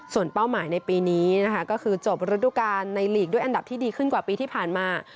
ส่วนเป้าหมายในปีนี้นะคะก็คือจบฤดูการในหลีกด้วยอันดับที่ดีขึ้นกว่าปีที่ผ่านมา